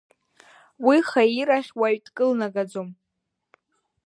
Уи хаир ахь уаҩ дкылнагаӡом…